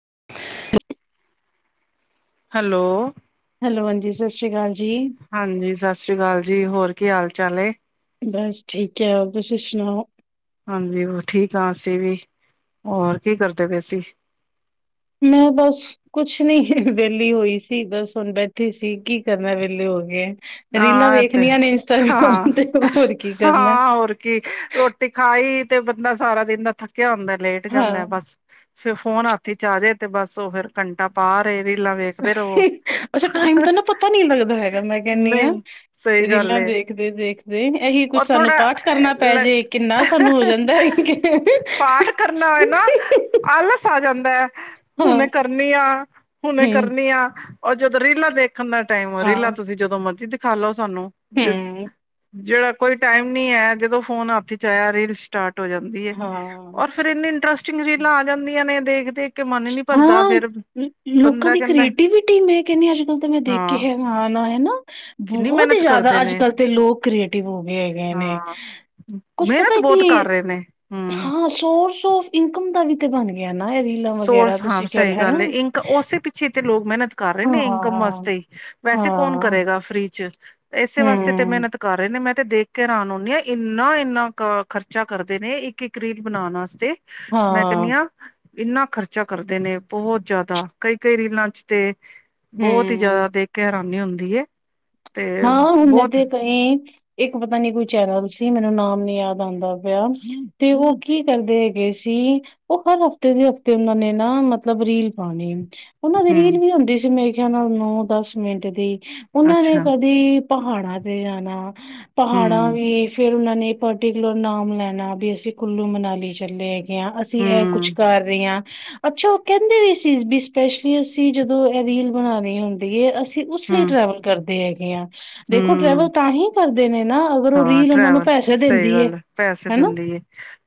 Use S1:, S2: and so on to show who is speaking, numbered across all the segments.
S1: [unintelligible]
S2: Hello.
S1: Hello, ਹਾਂਜੀ ਸਤਿ ਸ੍ਰੀ ਅਕਾਲ ਜੀ।
S2: ਹਾਂਜੀ, ਸਤਿ ਸ੍ਰੀ ਅਕਾਲ ਜੀ। ਹੋਰ ਕੀ ਹਾਲ ਚਾਲ ਏ?
S1: ਬਸ ਠੀਕ ਏ, ਹੋਰ ਤੁਸੀਂ ਸੁਣਾਓ।
S2: ਹਾਂਜੀ, ਉਹ ਠੀਕ ਹਾਂ ਅਸੀਂ ਵੀ, ਹੋਰ ਕੀ ਕਰਦੇ ਪਏ ਸੀ।
S1: ਮੈਂ ਬਸ ਕੁਛ ਨੀ ਵਿਹਲੀ ਹੋਈ ਸੀ, ਬਸ ਹੁਣ ਬੈਠੀ ਸੀ, ਕੀ ਕਰਨਾ ਵਿਹਲੇ ਹੋ ਗਏ। ਰੀਲਾਂ
S2: ਹਾਂ, ਇਹ ਤੇ
S1: ਵੇਖਣੀਆਂ ਨੇ
S2: ਹਾਂ
S1: ਇੰਸਟਾਗ੍ਰਾਮ ਤੇ ਹੋਰ ਕੀ ਕਰਨਾ
S2: -ਹਾਂ, ਹੋਰ ਕੀ, ਰੋਟੀ ਖਾਈ। ਤੇ ਬੰਦਾ, ਸਾਰਾ ਦਿਨਨਾ ਥੱਕ ਉਂਦਾ ਲੇਟ
S1: ਹਾਂ
S2: ਜਾਂਦਾ ਬਸ ਫਿਰ ਫੋਨ ਹਾਥੀ ਚ ਆ ਜੇ, ਤੇ ਬੱਸ ਉਹ ਫਿਰ ਘੰਟਾ ਪਾ ਰਹੇ ਵੀ ਰਿਲਾਂ ਵੇਖਦੇ ਰਹੋ।
S1: ਕਹਿੰਨੀ ਹਾਂ,
S2: ਨਹੀਂ ਸਹੀ ਗੱਲ
S1: ਰੀਲਾਂ
S2: ਏ
S1: ਦੇਖਦੇ-ਦੇਖਦੇ ਇਹੀ ਕੁਛ
S2: ਔਰ
S1: ਸਾਨੂੰ ਪਾਠ ਕਰਨਾ
S2: ਥੋੜਾ
S1: ਪੈਜੇ ਕਿੰਨਾ ਸਾਨੂੰ ਹੋ ਜਾਂਦਾ, ਕਿ
S2: ਪਾਠ ਕਰਨਾ ਹੋਏ ਨਾ ਆਲਸ ਆ ਜਾਂਦਾ ਹੈ। ਹੁਣੇ
S1: ਹਾਂ
S2: ਕਰਨੀ ਆ- ਹੁਣੇ
S1: ਹਮ
S2: ਕਰਨੀ ਆ। ਉਹ ਜਦੋਂ ਰੀਲਾਂ ਦੇਖ ਰੱਖਣ ਦਾ ਟਾਈਮ ਰਿਹਾ।
S1: ਹਾਂ
S2: ਜਦੋਂ ਮਰਜ਼ੀ ਦਿਖਾਲੋ ਸਾਨੂੰ ਜ
S1: ਹਮ
S2: ਜਿਹੜਾ ਕੋਈ ਟਾਈਮ ਨੀ ਐ, ਜਦੋਂ ਫੋਨ ਹੱਥ ਚ ਆਇਆ ਰੀਲ ਸਟਾਰਟ। ਜਾਂਦੀ
S1: ਹਾਂ
S2: ਔਰ ਫੇਰ ਇੰਨੀ ਇੰਟਰਸਟਿੰਗ ਰੀਲਾਂ ਆ ਜਾਂਦੀਆਂ ਨੇ ਦੇਖ-ਦੇਖ
S1: ਹਾਂ। ਲੋਕਾਂ
S2: ਬੰਦਾ
S1: ਦੀ
S2: ਕਹਿੰਦਾ
S1: ਕ੍ਰੀਏਟੀਵਿਟੀ ਮੈਂ ਕਹਿੰਦੀ ਅੱਜ- ਕੱਲ ਤਾਂ, ਮੈਂ ਦੇਖ ਕੇ
S2: ਹਾਂ
S1: ਹੈਰਾਨ ਆਂ। ਹੈਨਾ
S2: ਕਿੰਨੀ
S1: ਬਹੁਤ ਹੀ
S2: ਮਿਹਨਤ
S1: ਜ਼ਿਆਦਾ
S2: ਕਰਦੇ ਨੇ
S1: ਅੱਜ-ਕੱਲ੍ਹ ਤੇ ਲੋਕ ਕ੍ਰੀਏਟਿਵ ਹੋ ਗਏ ਹੈਗੇ ਨੇ,
S2: ਹਾਂ
S1: ਕੁਛ ਪਤਾ
S2: ਮਿਹਨਤ
S1: ਏ
S2: ਬਹੁਤ
S1: ਕਿ
S2: ਕਰ ਰਹੇ ਨੇ ਹਮ
S1: ਹਾਂ ਸੋਰਸ ਔਫ ਇਨਕਮ ਦਾ ਵੀ ਤੇ, ਬਣ ਗਿਆ। ਨਾ, ਇਹ ਰੀਲਾਂ ਮ
S2: ਸੋਰਸ ਹਾਂ ਸਹੀ ਗੱਲ ਏ, ਇਨਕ ਉਸੇ ਪਿੱਛੇ ਤੇ ਲੋਕ ਮਿਹਨਤ ਕਰ ਰਹੇ
S1: ਹਾਂ
S2: ਨੇ, ਇਨਕਮ
S1: ਹਾਂ
S2: ਵਾਸਤੇ ਹੀ ਵੈਸੇ ਕੌਣ ਕਰੇਗਾ ਫ੍ਰੀ'ਚ ਏਸੇ ਵਾਸਤੇ ਤੇ,
S1: ਹੂੰ
S2: ਮਿਹਨਤ ਕਰ ਰਹੇ ਨੇ ਮੈਂ ਤੇ ਦੇਖ ਕੇ ਹੈਰਾਨ ਹੂੰਨੀ ਹਾਂ, ਇੰਨਾ- ਇੰਨਾ ਖਰਚਾ ਕਰਦੇ ਨੇ, ਇੱਕ-ਇੱਕ ਰੀਲ ਬਣਾਉਣ ਵਾਸਤੇ। ਮੈਂ ਕਹਿੰਨੀ
S1: ਹਾਂ
S2: ਆਂ ਇੰਨਾ ਖਰਚਾ ਕਰਦੇ ਨੇ, ਬਹੁਤ ਜ਼ਿਆਦਾ ਕਈ- ਕਈ ਰੀਲਾਂ' ਚ ਤੇ, ਬਹੁਤ ਹੀ
S1: ਹੂੰ
S2: ਜ਼ਿਆਦਾ ਦੇਖਿਆ ਨੀ ਹੁੰਦੀ ਹੈ। ਤੇ
S1: ਹਾਂ, ਹੁਣ
S2: ਬਹੁਤ
S1: ਤੇ ਗਏ। ਇੱਕ ਪਤਾ ਨੀ ਕੋਈ ਚੈਨਲ ਸੀ, ਮੈਨੂੰ ਨਾਮ ਨੀ ਯਾਦ ਆਉਂਦਾ ਪਿਆ ਤੇ, ਉਹ ਕੀ ਕਰਦੇ ਹੈਗੇ ਸੀ, ਉਹ ਹਰ ਹਫ਼ਤੇ ਦੇ ਹਫ਼ਤੇ ਉਹਨਾ ਨੇ ਨਾ ਮਤਲਬ ਰੀਲ ਪਾਣੀ। ਉਹਨਾਂ ਦੀ
S2: ਹਮ
S1: ਰੀਲ ਵੀ ਹੁੰਦੀ ਸੀ। ਮੇ ਕਿਆ ਓਹਨਾ ਨੂੰ ਦਸ ਮਿੰਟ ਦੀ
S2: ਅੱਛਾ।
S1: ਦੀ ਪਹਾੜਾਂ ਤੇ ਜਾਨਾ। ਪਹਾੜਾਂ
S2: ਹਮ
S1: ਵੀ ਫੇਰ ਉਹਨਾਂ ਨੇ ਪਰਟੀਕੁਲਰ ਨਾਮ ਲੈਣਾ ਵੀ, ਅਸੀਂ ਕੁੱਲੂ ਮਨਾਲੀ ਚੱਲੇ ਹੈਗ ਆ, ਅਸੀਂ ਇਹ ਕੁਛ
S2: ਹਮ
S1: ਕਰ ਰਹੇ ਹਾਂ। ਅੱਛਾ। ਉਹ ਕਹਿੰਦੇ ਵੀ ਸੀ, ਵੀ ਸਪੈਸ਼ਲੀ ਅਸੀਂ ਜਦੋਂ ਇਹ ਰੀਲ ਬਣਾਣੀ ਹੁੰਦੀ ਹੈ, ਅਸੀ ਉਸ ਲਈ
S2: ਹਮ
S1: ਟਰੈਵਲ ਕਰਦੇ। ਤੇ, ਆ ਦੇਖੋ
S2: ਹਮ
S1: ਟਰੈਵਲ ਤਾਂ ਹੀ ਕਰਦੇ ਨੇ। ਨਾ ਅਗਰ ਉਹ
S2: ਹਾਂ
S1: ਰੀਲ ਉਹਨਾਂ ਨੂੰ
S2: ਟਰੈਵਲ
S1: ਪੈਸੇ
S2: ਸਹੀ
S1: ਦਿੰਦੀ ਏ
S2: ਗੱਲ ਪੈਸੇ
S1: ਹਨਾ।
S2: ਦਿੰਦੀ ਹੈ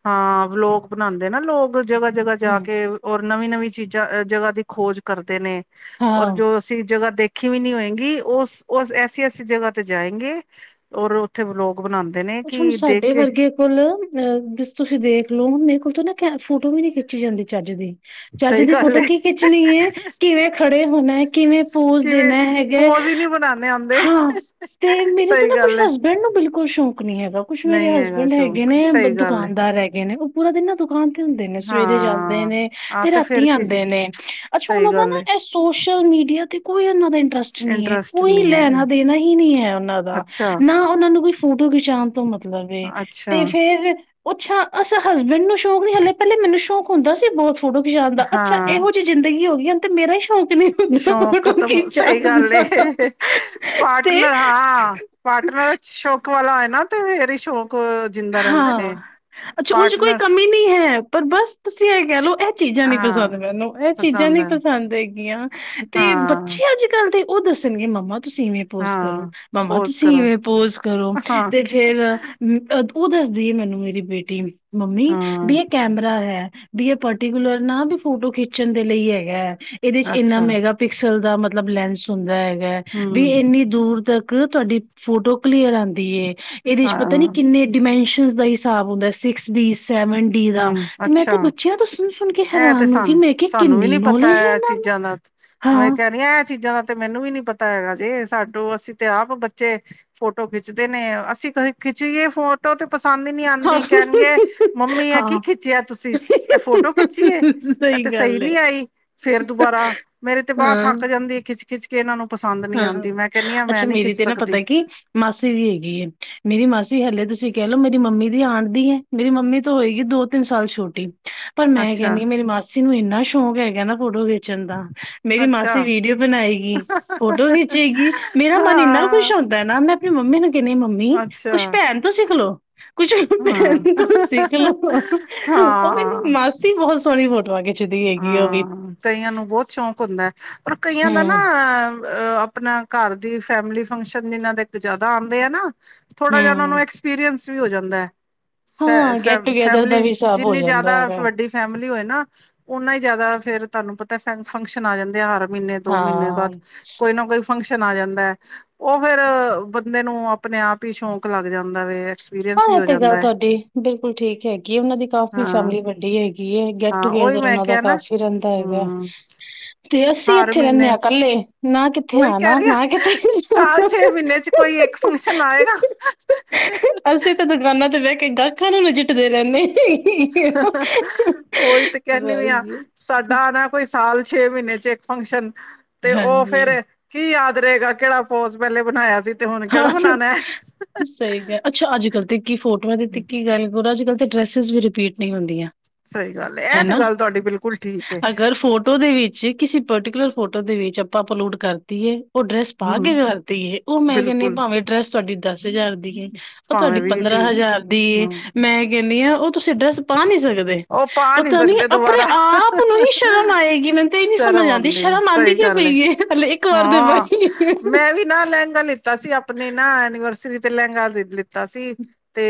S2: ਹਾਂ ਲੋਕ ਬਣਾਉਂਦੇ ਨਾ ਲੋਕ ਜਗ੍ਹਾ ਜਗ੍ਹਾ
S1: ਹੂੰ।
S2: ਜਾ ਕੇ ਔਰ ਨਵੀਂ ਨਵੀਂ ਚੀਜ਼ਾਂ ਜਗ੍ਹਾ ਦੀ ਖੋਜ ਕਰਦੇ ਨੇ ਔਰ
S1: ਹਾਂ।
S2: ਜੋ ਅਸੀਂ ਜਗ੍ਹਾ ਦੇਖ ਦੇਖੀ ਵੀ ਨਹੀਂ ਹੋਏਗੀ ਉਹ ਉਹ ਐਸੀ ਐਸੀ ਜਗ੍ਹਾ ਤੇ ਜਾਏਗੇ ਔਰ ਤੇ ਵਲੌਗ
S1: ਕੁੱਛ ਹੁਣ ਸਾਡੇ ਵਰਗੇ ਕੋਲ ਅਹ ਜਿਸ ਤੁਸੀਂ ਦੇਖ ਲੋ ਮੇਰੇ ਕੋਲ ਤਾਂ ਨਾ ਫੋਟੋ ਵੀ ਨੀ ਖਿੱਚੀ ਜਾਂਦੀ ਚੱਜ ਦੀ ਚਜ
S2: ਸਹੀ
S1: ਦੀ
S2: ਗੱਲ
S1: ਫੋਟੋ
S2: ਏ
S1: ਕੀ ਖਿੱਚਣੀ ਹੈ ਕਿਵੇਂ ਖੜੇ ਹੋਣਾ ਕਿਵੇਂ ਪੂਜ
S2: ਕਿਵੇਂ
S1: ਦੇਣਾ ਹੈਗਾ
S2: ਪੋਜ ਹੀ ਨਹੀਂ ਬਣਾਉਣੇ ਆਉਂਦੇ
S1: ਹਾਂ ਤੇ ਮੇਰੇ ਤੇ
S2: ਸਹੀ
S1: ਨਾ ਕੁਛ
S2: ਗੱਲ ਏ
S1: ਹਸਬੈਂਡ ਨੂੰ ਬਿਲਕੁਲ ਸ਼ੌਕ ਨੀ ਹੈਗਾ ਕੁੱਛ ਮੇਰੇ
S2: ਨਹੀਂ ਹੈਗਾ
S1: ਹਸਬੈਂਡ ਹੈਗੇ
S2: ਸ਼ੌਕ
S1: ਨੇ
S2: ਸਹੀ ਗੱਲ ਏ
S1: ਦੁਕਾਨਦਾਰ ਹੈਗੇ ਨੇ ਪੂਰਾ ਦਿਨ ਨਾ ਦੁਕਾਨ ਤੇ ਹੁੰਦੇ ਨੇ ਸਵੇਰੇ ਜਾਂਦੇ
S2: ਹਾਂ
S1: ਨੇ
S2: ਆਹ
S1: ਤੇ
S2: ਫੇਰ
S1: ਰਾਤੀ
S2: ਕੀ
S1: ਆਦੇ ਨੇ ਅੱਛਾ
S2: ਸਹੀ
S1: ਉਹਨਾਂ ਦਾ
S2: ਗੱਲ ਏ
S1: ਨਾ ਇਹ ਸੋਸ਼ਲ ਮੀਡੀਆ ਤੇ ਕੋਈ ਉਹਨਾਂ ਦੇ ਟਰਸਟ ਨਹੀਂ ਹੈ
S2: ਇੰਟਰਸਟ
S1: ਕੋਈ
S2: ਨਹੀਂ
S1: ਲੈਣਾ
S2: ਹੈ
S1: ਦੇਣਾ ਹੀ ਨਹੀਂ ਹੈ ਉਹਨਾਂ ਦਾ
S2: ਅੱਛਾ
S1: ਨਾ ਉਹਨਾਂ ਨੂੰ ਕੋਈ ਫ਼ੋਨ ਸ਼ਾਮ ਤੋਂ ਮਤਲਬ
S2: ਅੱਛਾ
S1: ਤੇ ਫੇਰ ਉਹੱਛਾ ਅਸ ਹਸਬੈਂਡ ਨੂੰ ਸ਼ੌਕ ਨੀ ਹਾਲੇ ਪਹਿਲੇ ਮੈਨੂੰ ਸ਼ੌਕ ਹੁੰਦਾ ਸੀ ਬਹੁਤ ਫੋਟੋ ਖਿਚਾਣ ਦਾ ਅੱਛਾ
S2: ਹਾਂ
S1: ਇਹੋ ਜਿਹੀ ਜ਼ਿੰਦਗੀ ਹੋ ਤੇ ਮੇਰਾ ਹੀ ਸ਼ੌਕ ਨੀ ਹੁੰਦਾ
S2: ਸ਼ੌਕ
S1: ਫੋਟੋ
S2: ਖਤਮ ਸਹੀ
S1: ਖਿਚਾਣ
S2: ਗੱਲ
S1: ਦਾ। ਤੇ
S2: ਪਾਰਟਨਰ ਹਾਂ ਪਾਰਟਨਰ ਸ਼ੌਂਕ ਵਾਲਾ ਨਾ ਤੇ ਫੇਰੀ ਸ਼ੌਕ ਜਿੰਦਾ ਰਹਿੰਦੇ
S1: ਹਾਂ
S2: ਨੇ
S1: ਅੱਛਾ ਉਝ ਕੋਈ
S2: ਪਾਰਟਨਰ
S1: ਕਮੀ ਨਹੀਂ ਹੈ ਪਰ ਬਸ ਤੁਸੀਂ ਇਹ ਕਹਿ ਲਓ ਇਹ ਚੀਜ਼ਾਂ ਨੀ ਪਸੰਦ
S2: ਹਾਂ
S1: ਮੈਨੂੰ ਇਹ ਚੀਜ਼ਾਂ
S2: ਪਸੰਦ
S1: ਨ
S2: ਹੈ
S1: ਪਸੰਦ ਹੈ। [unintelligible] ਤੇ
S2: ਹਾਂ
S1: ਬੱਚੇ ਅੱਜ ਕੱਲ੍ਹ ਦੇ ਉਹ ਦੱਸਣਗੇ ਮੰਮਾ ਤੁਸੀਂ ਇਵੇਂ ਪੋਜ ਕਰੋ
S2: ਹਾਂ
S1: ਮਾਮਾ
S2: ਪੋਜ
S1: ਤੁਸੀਂ
S2: ਕਰੋ
S1: ਇਵੇਂ ਪੋਜ ਕਰੋ
S2: ਹਾਂ
S1: ਤੇ ਫੇਰ ਉਹ ਦੱਸਦੀ ਹੈ ਮੈਨੂੰ ਮੇਰੀ ਬੇਟੀ ਮੰਮੀ
S2: ਹਾਂ
S1: ਵੀ ਇਹ ਕੈਮਰਾ ਹੈ ਵੀ ਇਹ ਪਰਟੀਕੂਲਰ ਨਾ ਵੀ ਫੋਟੋ ਖਿੱਚਣ ਦੇ ਲਈ ਹੈਗਾ। ਇਹਦੇ ਚ ਇੰਨਾ
S2: ਅੱਛਾ
S1: ਮੈਗਾ ਪਿਕਸ ਚਲ ਦਾ ਮਤਲਬ ਲੈਂਸ ਹੁੰਦਾ ਹੈਗਾ। ਵੀ
S2: ਹਮ
S1: ਇੰਨੀ ਦੂਰ ਤੱਕ ਤੁਹਾਡੀ ਫੋਟੋ ਕਲੀਅਰ ਆਉਂਦੀ ਏ ਇਹਦੇ ਚ
S2: ਹਾਂ
S1: ਪਤਾ ਨੀ ਕਿੰਨੇ ਪੈਨਸ਼ਨ ਦਾ ਹੀ ਹਿਸਾਬ ਹੁੰਦਾ ਸਿਕਸ ਡੀ ਸੈਵਨ ਡੀ ਦਾ
S2: ਹਮ
S1: ਤੇ ਮੈਂ
S2: ਅੱਛਾ
S1: ਤੇ ਬੱਚਿਆਂ ਤੋਂ ਸੁਣ ਸੁਣ ਕੇ
S2: ਇਹ ਤੇ
S1: ਹੈਰਾਨ ਨੂੰ ਕਿ
S2: ਸਾਨੂੰ
S1: ਮੈਂ ਕਿ
S2: ਸਾਨੂੰ ਵੀ
S1: ਕਿੰਨੀ
S2: ਨੀ ਪਤਾ
S1: ਨੌਲੇਜ ਆ
S2: ਹੈ ਇਹ
S1: ਇਹਨਾਂ ਨੂੰ
S2: ਚੀਜ਼ਾਂ ਦਾ ਮੈਂ
S1: ਹਾਂ
S2: ਕਹਿ ਰਹੀ ਇਹ ਚੀਜ਼ਾਂ ਦਾ ਤੇ ਮੈਨੂੰ ਵੀ ਨੀ ਪਤਾ ਹੈਗਾ ਜੇ ਸਾਨੂੰ ਅਸੀਂ ਤੇ ਆਪ ਬੱਚੇ ਫੋਟੋ ਖਿੱਚਦੇ ਨੇ ਅਸੀਂ ਕ ਖਿੱਚੀਏ ਫੋਟੋ ਤੇ ਪਸੰਦ ਹੀ ਨਹੀਂ
S1: ਹਾਂ
S2: ਆਉਂਦੀ ਕਹਿਣਗੇ ਮੰਮੀ ਕੀ
S1: ਹਾਂ
S2: ਖਿੱਚਿਆ ਤੁਸੀਂ ਇਹ ਫੋਟੋ ਖਿੱਚੀਏ ਇਹ ਤੇ ਸਹੀ
S1: ਗੱਲ
S2: ਨੀ
S1: ਹੈ
S2: ਆਈ ਫਿਰ ਦੁਬਾਰਾ ਮੇਰੇ ਤੇ ਬਾਂਹ ਥੱਕ
S1: ਹਾਂ
S2: ਜਾਂਦੀ ਖਿੱਚ ਖਿੱਚ ਕੇ ਇਹਨਾਂ ਨੂੰ ਪਸੰਦ ਨਹੀਂ
S1: ਹਾਂ
S2: ਆਉਂਦੀ ਮੈਂ ਕਹਿੰਦੀ ਹਾਂ ਮੈਂ
S1: ਅੱਛਾ
S2: ਨਹੀਂ
S1: ਮੇਰੀ
S2: ਖਿੱਚ
S1: ਤੇ ਨਾ
S2: ਸਕਦੀ
S1: ਪਤਾ ਕਿ ਮਾਸੀ ਵੀ ਹੈਗੀ ਹੈ ਮੇਰੀ ਮਾਸੀ ਹਲੇ ਤੁਸੀਂ ਕਹਿ ਲੋ ਮੇਰੀ ਮੰਮੀ ਦੀ ਆਣਦੀ ਹੈ ਮੇਰੀ ਮੰਮੀ ਤੋਂ ਹੋਏਗੀ ਦੋ ਤਿੰਨ ਸਾਲ ਛੋਟੀ ਪਰ ਮੈਂ
S2: ਅੱਛਾ
S1: ਕਹਿੰਦੀ ਹੈ ਮੇਰੀ ਮਾਸੀ ਨੂੰ ਇੰਨਾ ਸ਼ੌਕ ਹੈਗਾ ਨਾ ਫੋਟੋ ਖਿੱਚਣ ਦਾ ਮੇਰੀ
S2: ਅੱਛਾ
S1: ਮਾਸੀ ਵੀਡੀਓ ਬਣਾਈ ਹੈਗੀ ਫੋਟੋ ਖਿੱਚੇਗੀ ਮੇਰਾ ਮਨ ਇੰਨਾ ਖੁਸ਼
S2: ਹਾਂ
S1: ਹੁੰਦਾ ਨਾ ਮੈਂ ਆਪਣੀ ਮੰਮੀ ਨੂੰ ਕਹਿੰਣੀ ਮੰਮੀ
S2: ਅੱਛਾ
S1: ਕੁਛ ਭੈਣ ਤੋਂ ਸਿੱਖਲੋ ਕੁਛ
S2: ਹਾਂ
S1: ਸਿੱਖ ਲੋਓ ਉਹ
S2: ਹਾਂ
S1: ਮੇਰੀ ਮਾਸੀ ਬਹੁਤ ਸੋਹਣੀ ਬਹੁਤੀ
S2: ਹਾਂ ਕਈਆਂ ਨੂੰ ਬਹੁਤ ਸ਼ੌਕ ਹੁੰਦਾ ਪਰ ਕਈਆਂ ਦਾ ਨਾ
S1: ਹੂੰ।
S2: ਅਹ ਆਪਣਾ ਘਰ ਦੀ ਫੈਮਿਲੀ ਫੰਕਸ਼ਨ, ਇਹਨਾਂ ਦੇ ਜ਼ਿਆਦਾ ਆਉਂਦੇ ਆ ਨਾ ਥੋੜਾ ਜਿਹਾ ਉਹਨਾ ਨੂੰ ਐਕਪੀਰੀਅੰਸ ਵੀ ਹੋ ਜਾਂਦਾ ਐ।
S1: ਹੂੰ ਹਾਂ ਗੈਟ ਟੂਗੇੈਦਰ ਦਾ
S2: ਫੈਮਿਲੀ
S1: ਵੀ ਹਿਸਾਬ ਹੋ
S2: ਜਿੰਨੀ ਜ਼ਿਆਦਾ
S1: ਜਾਂਦਾ ਹੈਗਾ।
S2: ਵੱਡੀ ਫੈਮਿਲੀ ਹੋਏ ਨਾ ਉਨਾ ਹੀ ਜ਼ਿਆਦਾ ਫਿਰ ਤੁਹਾਨੂੰ ਪਤਾ ਫੰਕਸ਼ਨ ਆ ਜਾਂਦੇ, ਹਰ ਮਹੀਨੇ ਦੋ ਮਹੀਨੇ
S1: ਹਾਂ,
S2: ਬਾਅਦ ਕੋਈ ਨਾ ਕੋਈ ਫੰਕਸ਼ਨ ਆ ਜਾਂਦਾ ਐ, ਉਹ ਫੇਰ ਬੰਦੇ ਨੂੰ ਆਪਣੇ ਆਪ ਹੀ ਸ਼ੌਂਕ ਲੱਗ ਜਾਂਦਾ ਵ
S1: ਹਾਂ,
S2: ਐਕਸਪੀਰੀਅੰਸ ਵੀ
S1: ਇਹ
S2: ਹੋ
S1: ਤੇ ਗੱਲ
S2: ਜਾਂਦਾ ਹੈ
S1: ਤੁਹਾਡੀ ਬਿਲਕੁਲ ਠੀਕ ਹੈਗੀ ਆ, ਉਹਨਾਂ ਦੀ ਕਾਫ਼ੀ
S2: ਹਾਂ
S1: ਫੈਮਿਲੀ ਵੱਡੀ ਹੈਗੀ। ਕੀ ਗੈਟ
S2: ਹਾਂ ਉਹੀ
S1: ਟੂਗੇਦਰ
S2: ਮੈਂ
S1: ਉਹਨਾਂ ਦਾ
S2: ਕਿਹਾ ਨਾ
S1: ਕਾਫੀ ਰਹਿੰਦਾ ਹੈਗਾ,
S2: ਹਮ
S1: ਤੇ ਅਸੀਂ
S2: ਹਰ
S1: ਇੱਥੇ ਰਹਿੰਦੇ
S2: ਮਹੀਨੇ
S1: ਹਾਂ ਇਕੱਲੇ। ਨਾ ਕਿੱਥੇ
S2: ਉਹੀ ਕਹਿ
S1: ਆਣਾ
S2: ਰਹੀ ਆ,
S1: ਨਾ ਕਿੱਥੇ
S2: ਸਾਲ ਛੇ ਮਹੀਨੇ ਚ ਕੋਈ ਇੱਕ ਫੰਕਸ਼ਨ ਆਏਗਾ ਨਾ।
S1: ਅਸੀਂ ਤੇ ਦੁਕਾਨਾਂ ਤੇ ਬਹਿ ਕੇ ਦਾ ਅੱਖਾਂ ਨੂੰ ਮਜਿੱਟਦੇ ਰਹਿੰਦੇ
S2: ਉਹੀ ਤੇ ਕਹਿੰਦੀ ਵੀ ਆ,
S1: ਬਸ
S2: ਸਾਡਾ ਨਾ ਕੋਈ ਸਾਲ ਛੇ ਮਹੀਨੇ ਚ ਇੱਕ ਫੰਕਸ਼ਨ ਤੇ, ਉਹ
S1: ਹਾਂਜੀ
S2: ਫੇਰ ਕੀ ਯਾਦ ਧਰੇਗਾ ਕਿਹੜਾ ਪੋਜ ਪਹਿਲੇ ਬਇਆ ਸੀ। ਤੇ ਹੁਣ ਕਿਹੜਾ
S1: ਹਾਂ
S2: ਬਣਾਉਣਾ ਹੈ।
S1: ਸਹੀ ਕਿਹਾ, ਅੱਛਾ ਅੱਜ ਕੱਲ੍ਹ ਤੇ ਕੀ ਫੋਟੋਆਂ ਦੀ ਕੀ ਗੱਲ ਹੋਰ ਅੱਜ ਕੱਲ ਤੇ ਡਰਸਿਸ ਵੀ ਰਿਪੀਟ ਨਹੀਂ ਹੁੰਦੀਆਂ।
S2: ਸਹੀ ਗੱਲ ਇਹ ਤੇ
S1: ਹੈਨਾ,
S2: ਗੱਲ ਤੁਹਾਡੀ ਬਿਲਕੁਲ ਠੀਕ ਹੈ
S1: ਅਗਰ ਫੋਟੋ ਦੇ ਵਿੱਚ ਕਿਸੇ ਪਰਟੀਕੁਲਰ ਫੋਟੋ ਦੇ ਵਿੱਚ ਆਪਾਂ ਅਪਲੋਡ ਕਰਤੀ ਏ ਉਹ ਡਰੈਸ ਪਾ ਕੇ
S2: ਹਮ
S1: ਕਰਤੀਏ, ਉਹ ਮੈਂ ਕਿੰਨੀ
S2: ਬਿਲਕੁਲ
S1: ਭਾਵੇਂ ਡਰੈੱਸ ਤੁਹਾਡੀ ਦਸ ਹਜ਼ਾਰ ਦੀ ਆਂ। ਉਹ ਤੁਹਾਡੀ
S2: ਭਾਵੇਂ ਵੀਹ
S1: ਪੰਦਰਾਂ
S2: ਦੀ
S1: ਹਜ਼ਾਰ ਦੀ,
S2: ਹਮ
S1: ਮੈਂ ਕਿੰਨੀਆਂ ਉਹ ਤੁਸੀਂ ਡਰੈੱਸ ਪਾ ਨਹੀਂ ਸਕਦੇ,
S2: ਉਹ ਪਾ ਨਹੀਂ
S1: ਪਤਾ ਨੀ
S2: ਸਕਦੇ
S1: ਆਪਣੇ
S2: ਦੁਬਾਰਾ
S1: ਆਪ ਨੂੰ ਹੀ ਸ਼ਰਮ ਆਏਗੀ, ਮੈਨੂੰ ਤਾਂ ਇਹ ਨਹੀਂ ਸਮਝ
S2: ਸ਼ਰਮ
S1: ਆਉਂ
S2: ਆਉਂਦੀ
S1: ਸ਼ਰਮ ਆਉਂਦੀ
S2: ਸਹੀ
S1: ਕਿਉ
S2: ਗੱਲ ਹੈ
S1: ਪਈ ਆ, ਹਲੇ ਇੱਕ ਵਾਰ ਤੇ
S2: ਹਾਂ
S1: ਪਾਈ ਆ।
S2: [unintelligible] ਤਾ ਸੀ, ਆਪਣੇ ਨਾ ਐਨੀਵਰਸਰੀ ਤੇ ਲਹਿੰਗਾ ਲਿੱਤਾ ਸੀ, ਤੇ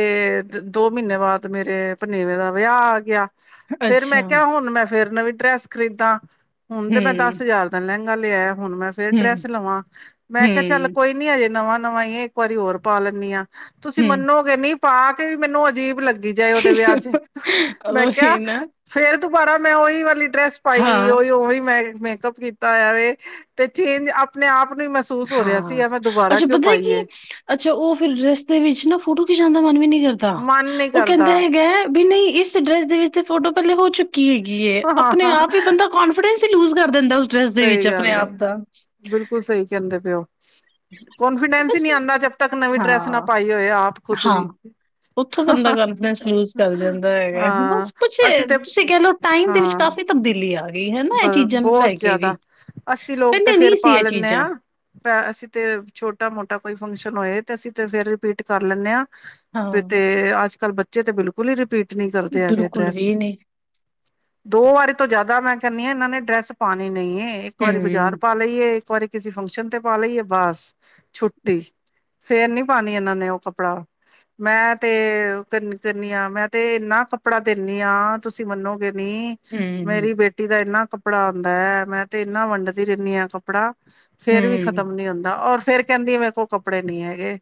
S2: ਦੋ ਮਹੀਨੇ ਬਾਅਦ ਮੇਰੇ ਭਨੇਵੇ ਦਾ ਵਿਆਹ ਆ ਗਿਆ। ਫੇਰ ਮੈਂ
S1: ਅੱਛਾ ਹੂੰ
S2: ਕਿਹਾ, ਹੁਣ ਮੈਂ ਫੇਰ ਨਵੀ ਟਰੈਸ ਖਰੀਦਾਂ ਹੁਣ ਤੇ ਮੈਂ ਦਸ
S1: ਹੂੰ
S2: ਹਜ਼ਾਰ ਦਾ ਲੈ [unintelligible] ਹੁਣ ਮੈਂ ਫੇਰ ਡਰੈਸ ਲਵਾਂ ਮੈਂ ਕਿਹਾ ਚੱਲ
S1: ਹੂੰ
S2: ਕੋਈ ਨੀ ਹਜੇ ਨਵਾਂ ਨਵਾ ਈਏ ਇੱਕ ਵਾਰੀ ਹੋਰ ਪਾ ਲੈਂਦੀ ਹਾਂ। ਤੁਸੀਂ
S1: ਹੂੰ
S2: ਮਨੋਗੇ ਨਹੀਂ ਪਾ ਕੇ ਵੀ ਮੈਨੂੰ ਅਜੀਬ ਲੱਗੀ ਦੇ ਵਿਆਹ ਚ, ਮੈਂ ਕਿਹਾ,
S1: ਉਹੀ ਨਾ
S2: ਫੇਰ ਦੁਬਾਰਾ ਮੈਂ ਉਹੀ ਵਾਲੀ, ਡਰੈਸ
S1: ਹਾਂ
S2: ਪਾਈ ਉਹੀ ਉਹੀ ਮੈਂ ਮੇਕਅਪ ਕੀਤਾ ਹੋਇਆ ਵੇ ਤੇ ਚੇਂਜ ਆਪਣੇ ਆਪ ਨੂੰ ਹੀ ਮਹਿਸੂਸ ਹੋ ਰਿਹਾ
S1: ਹਾਂ,
S2: ਸੀ ਮੈਂ ਦੁਬਾਰਾ
S1: ਅੱਛਾ
S2: ਕਿਉਂ
S1: ਪਤਾ ਕੀ
S2: ਪਾਈਏ
S1: ਅੱਛਾ ਉਹ ਫਿਰ ਡਰੈਸ ਦੇ ਵਿੱਚ ਨਾ ਫੋਟੋ ਖਿਚਾਉਣ ਦਾ ਮਨ ਵੀ ਨੀ ਨੀ ਕਰਦਾ
S2: ਮਨ ਨੀ
S1: ਉਹ
S2: ਕਰਦਾ
S1: ਕਹਿੰਦਾ ਹੈਗਾ ਵੀ ਨਹੀਂ ਇਸ ਡਰੈਸ ਦੇ ਵਿੱਚ ਫੋਟੋ ਪਹਿਲੇ ਹੋ ਚੁੱਕੀ ਕੀਏ ਕੀਏ ਆਪਣੇ
S2: ਹਾਂ
S1: ਆਪ ਹੀ ਬੰਦਾ ਕੋਂਨਫੀਡੈਂਸ ਤੇ ਲੁ ਕਰ ਦਿੰਦਾ ਉਸ ਡਰੈਸ ਦੇ ਵਿੱਚ
S2: ਸਹੀ
S1: ਆਪਣੇ
S2: ਗੱਲ
S1: ਆਪ
S2: ਏ
S1: ਦਾ
S2: ਬਿਲਕੁਲ ਸਹੀ ਕਹਿੰਦੇ ਪਿਓ ਡਰੈਸ ਨਾ
S1: ਹਾਂ,
S2: ਪਾਈ ਹੋਏ ਆਪ ਖੁਦ ਵੀ
S1: ਹਾਂ ਉੱਥੋਂ ਬੰਦਾ ਕਾਨਫੀਡੈਂਸ ਲੂਜ ਕਰ ਜਾਂਦਾ ਹੈਗਾ।
S2: ਹਾਂ
S1: ਬਸ ਕੁਛ
S2: ਅਸੀਂ ਤੇ
S1: ਤੁਸੀਂ ਕਹਿ ਲਓ ਟਾਈਮ ਦੇ ਵਿੱਚ
S2: ਹਾਂ
S1: ਕਾਫੀ ਤਬਦੀਲੀ ਆ ਗ ਹਨਾ
S2: ਬ
S1: ਇਹ ਚੀਜ਼ਾਂ ਨੂੰ ਲੈ
S2: ਬਹੁਤ
S1: ਕੇ ਵੀ,
S2: ਜ਼ਿਆਦਾ ਅਸੀਂ ਲੋਕ ਤੇ
S1: ਕਹਿੰਦੇ
S2: ਫੇਰ
S1: ਨਹੀਂ ਸੀ
S2: ਪਾ
S1: ਇਹ
S2: ਲੈਂਦੇ
S1: ਚੀਜ਼ਾਂ
S2: ਹਾਂ ਅਸੀਂ ਤੇ ਛੋਟਾ -ਮੋਟਾ ਕੋਈ ਫੰਕਸ਼ਨ ਹੋਏ ਤੇ ਅਸੀਂ ਤੇ ਫੇਰ ਰਿਪੀਟ ਕਰ ਲੈਂਦੇ ਹਾਂ ਵੀ ਤੇ
S1: ਹਾਂ
S2: ਅੱਜ- ਕੱਲ੍ਹ ਬੱਚੇ ਚ ਤਾਂ ਬਿਲਕੁਲ ਹੀ ਰਿਪੀਟ ਨਹੀਂ ਕਰਦੇ ਹੈਗੇ
S1: ਬਿਲਕੁਲ
S2: ਡਰੈਸ।
S1: ਵੀ ਨਹੀਂ
S2: ਦੋ ਵਾਰੀ ਤੋਂ ਜ਼ਿਆਦਾ ਮੈਂ ਕਰਨੀ ਹੈ। ਇਹਨਾਂ ਨੇ ਡਰੈਸ ਪਾਉਣੀ ਨਹੀਂ ਹੈ। ਇੱਕ ਵਾਰੀ ਬਾਜ਼ਾਰ
S1: ਹੂੰ,
S2: ਪਾ ਲਈਏ ਵਾਰੀ ਕਿਸੇ ਫੰਕਸ਼ਨ ਤੇ ਪਾ ਲਈਏ ਬਸ। ਛੁੱਟੀ, ਫੇਰ ਨੀ ਪਾਣੀ ਇਹਨਾਂ ਨੇ ਉਹ ਕੱਪੜਾ ਮੈਂ ਤੇ ਕਰਨੀ ਆ ਮੈਂ ਤੇ ਇੰਨਾ ਕੱਪੜਾ ਦਿੰਦੀ ਆ ਤੁਸੀਂ ਮੰਨੋਗੇ ਨੀ
S1: ਹੂੰ,
S2: ਮੇਰੀ ਬੇਟੀ ਇੰਨਾ ਕੱਪੜਾ ਆਉਂਦਾ ਹੈ ਮੈਂ ਤੇ ਇਨਾ ਵੰਡਦੀ ਰਹਿੰਦੀ ਹਾਂ ਕੱਪੜਾ ਫੇਰ ਵੀ
S1: ਹੂੰ।
S2: ਖਤਮ ਨੀ ਹੁੰਦਾ। ਔਰ ਫੇਰ ਕਹਿੰਦੀ ਆ ਮੇਰੇ ਕੋਲ ਕੱਪੜੇ ਨੀ ਹੈਗੇ।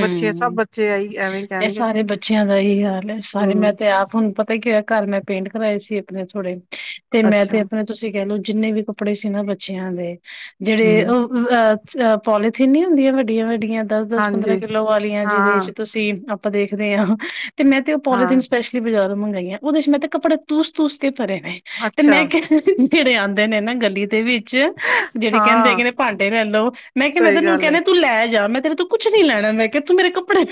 S2: ਬੱਚੇ ਸਭ ਬੱਚੇ ਆਈ ਐਵੇਂ
S1: ਇਹ
S2: ਕਹਿਣਗੇ
S1: ਸਾਰੇ ਬੱਚਿਆਂ ਦਾ ਹੀ ਹਾਲ ਹੈ। ਸਾਰੇ ਮੈਂ
S2: ਹਮ
S1: ਤੇ ਆਪ ਹੁਣ ਪਤਾ ਹੀ ਕਿ ਹੋਇਆ ਘਰ ਮੈਂ ਪੇਂਟ ਕਰਵਾਏ ਸੀ ਆਪਣੇ ਥੋੜੇ ਤੇ ਮੈਂ ਤੇ
S2: ਅੱਛਾ
S1: ਆਪਣਾ ਤੁਸੀਂ ਕਹਿਲਓ ਜਿੰਨੇ ਵੀ ਕੱਪੜੇ ਸੀ ਨਾ ਬੱਚਿਆਂ ਦੇ ਜਿਹੜੇ
S2: ਹਮ
S1: ਉਹ ਅਹ ਅਹ ਪੋਲੀਥੀਨ ਨਹੀਂ ਹੁੰਦੀਆਂ ਵੱਡੀਆਂ- ਵੱਡੀਆਂ ਆਂ ਦੱਸ -ਦੱਸ ਪੰਦਰਾਂ
S2: ਹਾਂਜੀ
S1: ਕਿੱਲੋ ਵਾਲੀਆਂ ਜਿਹਦੇ
S2: ਹਾਂ
S1: ਚ ਤੁਸੀਂ ਆਪਾਂ ਦੇਖਦੇ ਹਾਂ ਤੇ ਮੈਂ ਤੇ ਉਹ
S2: ਹਾਂ
S1: ਪੋਲੀਥਨ ਸਪੈਸ਼ਲੀ ਬਜ਼ਾਰ ਮੰਗਾਈ ਉਹਦੇ 'ਚ ਮੈਂ ਕੱੜਾ ਤੂਸ- ਤੂਸ ਤੇ ਭਰੇ ਨੇ ਤੇ
S2: ਅੱਛਾ
S1: ਮੈਂ ਕਹਿੰ ਸੀ ਖਿੜੇ ਆਉਂਦੇ ਨੇ ਨਾ ਗਲੀ ਤੇ ਵੀ ਜਿਹੜੇ ਕਹਿੰਦੇ,
S2: ਹਾਂ
S1: ਕਹਿੰਦੇ ਭਾਂਡੇ ਲੈ ਲਓ ਮੈਂ ਕਹਿੰਦਾ
S2: ਸਹੀ
S1: ਤੈਨੂੰ
S2: ਗੱਲ ਏ
S1: ਕਹਿੰਦੇ ਤੂੰ ਲੈ ਜਾ ਮੈਂ ਤੁ ਕੁਛ ਨੀ ਲੈਣਾ ਮੈਂ ਕਿਹਾ ਤੂੰ ਮੇਰੇ ਕੱਪੜੇ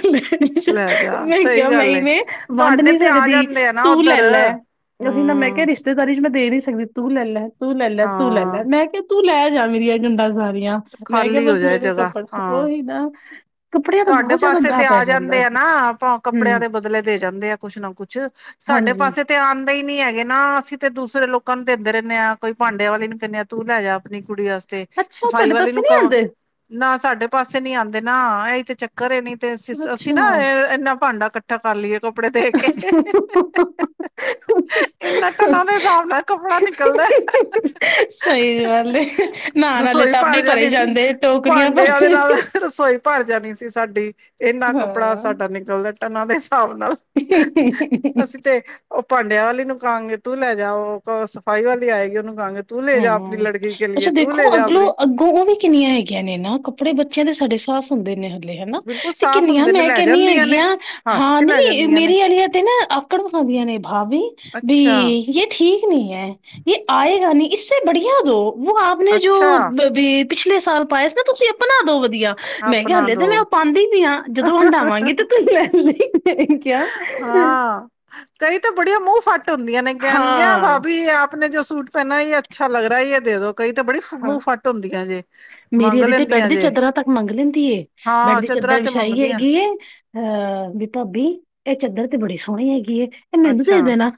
S2: ਲੈ ਜਾ
S1: ਮੈਂ
S2: ਸਹੀ
S1: ਕਿਹਾ
S2: ਗੱਲ ਏ
S1: ਮੈਂਨੇ ਵੰਡ
S2: ਤੁਹਾਡੇ
S1: ਨੀ
S2: ਤੇ ਆ
S1: ਸਕਦੀ।
S2: ਜਾਂਦੇ ਆ ਨਾ
S1: ਤੂੰ
S2: ਉੱਧਰ
S1: ਲੈ -ਲੈ ਉਹੀ ਨਾ ਮੈਂ ਕਿਹਾ
S2: ਹੂੰ
S1: ਰਿਸ਼ਤੇਦਾਰੀ ਚ ਮੈਂ ਦੇ ਨਹੀਂ ਸਕਦੀ ਸਕਦੀ ਤੂੰ ਲੈ ਲੈ ਤੂੰ ਲੈ ਲੈ ਤੂੰ ਲੈ ਲੈ
S2: ਹਾਂ
S1: ਮੈਂ ਕਿਹਾ ਤੂੰ ਤੂੰ ਲੈ ਜਾ ਮਰੀਏੰਡਾ ਸਾਰ ਮੈਂ ਕਿਹਾ
S2: ਖਾਲੀ ਹੋ
S1: ਬਸ
S2: ਜਾਏ
S1: ਮੇਰੇ
S2: ਜਗ੍ਹਾ
S1: ਕੱਪੜਾ
S2: ਹਾਂ
S1: ਉਹੀ ਨਾ ਹਾਂ
S2: ਤੁਹਾਡੇ ਪਾਸੇ ਤੇ ਆ ਜਾਂਦੇ ਆ ਨਾ ਆਪਾਂ ਕੱਪੜਿਆਂ
S1: ਹੂੰ
S2: ਦੇ ਬਦਲੇ ਦੇ ਜਾਂਦੇ ਆ ਕੁਛ ਨਾ ਕੁਛ ਸਾਡੇ
S1: ਹਾਂਜੀ
S2: ਪਾਸੇ ਤੇ ਆਉਂਦੇ ਹੀ ਨੀ ਹੈਗੇ ਨਾ ਅਸੀਂ ਤੇ ਦੂਸਰੇ ਲੋਕਾਂ ਨੂੰ ਦਿੰਦੇ ਰਹਿੰਦੇ ਆ ਕੋਈਾਂਡੇ ਵਾਲੀ ਨੀ ਕਿੰਨਦੇਾਂ ਤੂੰ ਲੈ ਜਾ ਆਪਣੀ ਕੁੜੀ ਵਾਸਤੇ
S1: ਅੱਛਾ
S2: ਸਫ਼ਾਈ
S1: ਤੁਹਾਡੇ
S2: ਵਾਲੇ
S1: ਪਾਸੇ
S2: ਨੂੰ
S1: ਨੀ
S2: ਕ
S1: ਆਂਦੇ
S2: ਨਾ ਸਾਡੇ ਪਾਸੇ ਨੀ ਆਉਂਦੇ ਨਾ ਚੱਕਰ ਇਹ ਨਹੀਂ ਤੇ ਅਸੀਂ ਅਸੀਂ ਨਾ
S1: ਅੱਛਾ।
S2: ਇਨਾ ਭਾਂਡਾ ਇਕੱਠਾ ਕਰ ਲਈਏ ਸੁਪੜੇ ਦੇ ਕੇ ਇਨਾਂ ਨਾਂ ਦੇ ਹਿਸਾਬ ਨਾਲ ਕੱਪੜਾ ਨਿਕਲਦਾ
S1: ਸਹੀ ਗੱਲ ਏ ਨਾਣ ਆਲੇ
S2: ਰਸੋਈ
S1: ਟੱਬ
S2: ਭਰ
S1: ਹੀ ਭਰੇ
S2: ਜਾਂਣੀ ਸੀ
S1: ਜਾਂਦੇ ਟੋਕਰੀਆਂ
S2: ਭਾਂਡਿਆਂ ਉਹਦੇ
S1: ਭਰੇ
S2: ਨਾਲ ਰਸੋਈ ਭਰ ਜਾਣੀ ਸੀ ਸਾਡੀ ਇੰਨਾ ਕੱਪੜਾ
S1: ਹਾਂ।
S2: ਸਾਡਾ ਨਿਕਲਦਾ ਟਨਾ ਹਿਸਾਬ ਨਾਲ ਅਸੀਂ ਤੇ ਉਹ ਭਾਂਡਿਆਂ ਵਾਲੀ ਨੂੰਕਾਾਂਗੇ ਤੂੰ ਲੈ ਜਾਓ ਸਫ਼ਾਈ ਵਾਲੀ ਆਏਗੀ ਉਹਨੂੰ ਕਹਾਂਗੇ ਤੂੰ ਲੈ ਜਾ
S1: ਹਮ
S2: ਆਪਣੀ
S1: ਹਮ
S2: ਲੜਕੀ ਕੇ
S1: ਅੱਛਾ
S2: ਲਈ ਤੂੰ
S1: ਦੇਖੋ
S2: ਲੈ ਜਾ
S1: ਅਗਲੋਂ
S2: ਆਪਣੀ
S1: ਅੱਗੋਂ ਉਹ ਵੀ ਕਿੰਨੀਆਂ ਹੈਗੀਆਂ ਨੇ ਨਾ ਕੱਪੜੇ ਬੱਚਿਆਂ ਦੇ ਸਡੇ ਸਾਫ਼ ਹੁੰਦੇ ਨੇ ਹਨ ਹਨਾ
S2: ਬਿਲਕੁਲ
S1: ਤੇ
S2: ਸਾਫ਼
S1: ਕਿੰਨੀਆਂ
S2: ਹੁੰਦੇ ਨੇ
S1: ਮੈਂ
S2: ਲੈ
S1: ਕਹਿੰਦੀ
S2: ਜਾਂਦੀਆਂ ਨੇ
S1: ਹੈਗੀਆਂ
S2: ਹੱਸ
S1: ਹਾਂ
S2: ਕੇ ਲੈ
S1: ਨੀ
S2: ਜਾਂਦੀਆਂ ਨੇ
S1: ਮੇਰੀ ਵਾਲੀਆਂ ਤੇ ਨਾ ਆਕੜ ਵਿਖਾਦੀਆਂ ਨੇ ਭਾਵੀ ਵੀ
S2: ਅੱਛਾ
S1: ਯ ਠੀਕ ਨੀ ਹੈ ਇਹ ਆਏਗਾ ਨੀ ਇਸੇ ਬੜੀਆਂ ਦੋ ਉਹ ਆਪ ਨੇ ਜੋ
S2: ਅੱਛਾ
S1: ਪਿਛਲੇ ਸਾਲ ਪਾਏ ਸੀ ਨਾ ਤੁਸੀਂ ਆਪਣਾ ਦੋ ਆ ਮੈਂ ਕਿਹਾ
S2: ਆਪਣਾ
S1: ਹਾਲੇ ਤਾਂ
S2: ਦੋ
S1: ਮੈਂ ਉਹ ਪਾਉਦੀ ਨ ਆਾਂ ਜਦੋਂ ਹੰਡਾਵਾਂਗੇ ਤੇ ਤੁਸੀਂ ਰਹਿਣ ਲਈ ਮੈਂ ਕਿਹਾ
S2: ਹਾਂ ਕਈ ਤਾਂ ਬੜੀਆ ਮੂੰਹ ਫਾਟ ਟ ਹੁੰਦੀਆਂ ਨੇ ਕਹਿਣਗੀਆਂ
S1: ਹਾਂ,
S2: ਭਾਬੀ ਆਪ ਆਪ ਜ ਜੋ ਸੂਟ ਪਹਿਨਾ ਹੈ ਅੱਛਾ ਲੱਗ ਰਹਾ ਹੈ ਜ ਦੇ ਦੋ ਕਈ ਤਾਂ ਬੜੀ ਮੂੰਹ
S1: ਹਾਂ
S2: ਫੱਟ ਹੁੰਦੀਆਂ ਜੇ
S1: ਮੇਰੀ
S2: ਮੰਗ
S1: ਇਹਦੀ ਤੇ ਬੈਡ
S2: ਲੈਂਦੀਆਂ
S1: ਦੀ
S2: ਜੇ
S1: ਚਾਦਰਾਂ ਤੱਕ ਮੰਗ ਲੈਂਦੀ ਬੈਡ
S2: ਹਾਂ
S1: ਦੀ
S2: ਚਦਰਾਂ
S1: ਚਾਦਰ
S2: ਤੇ
S1: ਵਿਛਾਈ
S2: ਮੰਗਦੀਆਂ
S1: ਹੈਗੀ ਅਹ ਵੀ ਭਾਬੀ ਇਹ ਚਾਦਰ ਤੇ ਬੜੀ ਸੋਹਣੀ ਹੈਗੀ ਏ ਇਹ ਮੈਨੂੰ
S2: ਅੱਛਾ
S1: ਦੇ ਦੇਣਾ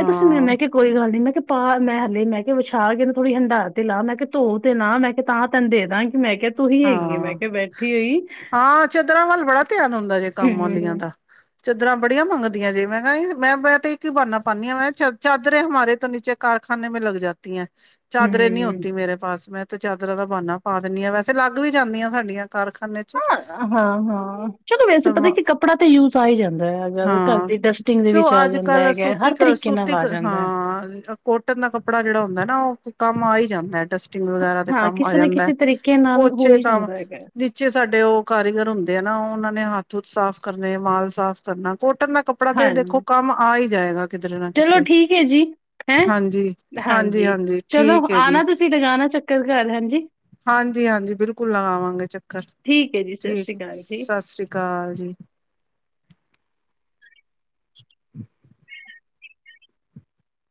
S1: ਇਹ ਤੁਸੀਂ ਮੈਂ ਕਿਹਾ ਕੋਈ ਗੱਲ ਨੀ ਮੈਂ ਪਾ ਮੈਂ ਹਲੇ ਮੈਂ ਕਿਹਾ ਵਿਛਾ ਕੇ ਥੋੜੀ ਹੰਡਾ ਤੇ ਲਾ ਮੈਂ ਕਿਹਾ ਧੋ ਲਾ ਮੈਂ ਕਿਹਾ ਤਾਂ ਤੈਨੂੰ ਦੇ ਦਾਂ
S2: ਹਾਂ ਹਾਂ ਚਾਦਰਾਂ ਵੱਲ ਬੜਾ ਧਿਆਨ ਹੁੰਦਾ ਜੇ ਕੰਮ ਵਾਲੀਆਂ
S1: ਹੂੰ
S2: ਦਾ ਚਾਦਰਾਂ ਬੜੀਆਂ ਮੰਗਦੀਆਂ ਜੇ ਮੈਂ ਕਿਹਾ ਮੈਂ ਮੈਂ ਤੇ ਇੱਕ ਹੀ ਬਾਨਨਾ ਪਾਉਂਦੀ ਹਾਂ ਮੈਂ ਚਾਦਰੇ ਹਮਾਰੇ ਤੋਂ ਨੀਚੇ ਕਾਰਖਾਨੇ ਮ ਲਗ ਜਾਤੀ ਹੈ ਚਾਦਰੇ ਨਹੀਂ
S1: ਹੂੰ
S2: ਹੋਤੀ ਮੇਰੇ ਪਾਸ ਮੈਂ ਚਾਦਰਾਂ ਦਾ ਬਾਨਾ ਪਾ ਦਿੰਦੀ ਆ ਵੈਸੇ ਲ ਲੱਗ ਵੀ ਜਾਂਦੀਆਂ ਸਾਡੀਆਂ ਕਾਰਖਾਨੇ ਚ
S1: ਹਾਂ ਹਾਂ ਹਾਂ ਚਲੋ ਵੈਸੇ ਪਤਾ
S2: ਸਮਾ
S1: ਕਿ ਕੱਪੜਾ ਤੇ ਯੂਜ ਆ ਹੀ ਜਾਂਦਾ ਹੈ ਅਗਰ ਘਰ
S2: ਹਾਂ
S1: ਦੀ ਡਸਟਿੰਗ ਦੇ
S2: ਕਿਉ
S1: ਵਿੱਚ ਆ
S2: ਅੱਜ
S1: ਜਾਂਦਾ
S2: ਕੱਲ
S1: ਹੈਗਾ
S2: ਸੂਤੀ
S1: ਹਰ ਤਰੀਕੇ ਨਾਲ
S2: ਸੂਤੀ
S1: ਆ ਜਾਂਦਾ ਹੈ
S2: ਹਾਂ ਕੋਟਨ ਦਾ ਕੱਪੜਾ ਜਿਹੜਾ ਹੁੰਦਾ ਨਾ ਉਹ ਕੰਮ ਆਈ ਜਾਂਦਾ ਡਸ
S1: ਹਾਂ ਕਿਸੇ ਨਾ ਕਿਸੇ ਤਰੀਕੇ ਨਾਲ ਹੋ
S2: ਉਛੇ
S1: ਹੀ
S2: ਕੰਮ
S1: ਜਾਂਦਾ ਹੈਗਾ
S2: ਨੀਚੇ ਸਾਡੇ ਉਹ ਕਾਰੀਗਰ ਹੁੰਦੇ ਆ ਨਾ ਉਹ ਉਹਨਾਂ ਨੇ ਹੱਥ ਹੱਥ ਸਾਫ਼ ਕਰਨੇ ਮਾਲ ਸਾਫ਼ ਕਰਨਾ ਕੋਟਨ ਦਾ ਕੱਪੜਾ ਤੇ ਦੇਖੋ
S1: ਹਾਂਜੀ
S2: ਕੰਮ ਆਏ ਜਾਏਗਾ ਕਿਧਰੇ ਨਾ
S1: ਚਲੋ
S2: ਕਿਧਰੇ
S1: ਠੀਕ ਹੈ ਜੀ ਹੈਂ
S2: ਹਾਂਜੀ
S1: ਹਾਂਜੀ ਚਲੋ
S2: ਠੀਕ ਹੈ ਜੀ
S1: ਆਣਾ ਤੁਸੀਂ ਲਗਾਉਣਾ ਚੱਕਰ ਘਰ ਹਾਂਜੀ
S2: ਹਾਂਜੀ ਹਾਂਜੀ ਬਿਲਕੁਲ ਲਗਾਵਾਂਗੇ ਚੱਕਰ
S1: ਠੀਕ ਹੈ ਜੀ ਸਤਿ
S2: ਠੀਕ
S1: ਸ਼੍ਰੀ
S2: ਹੈ
S1: ਅਕਾਲ ਜੀ
S2: ਸਤਿ ਸ੍ਰੀ ਅਕਾਲ ਜੀ ਹਮ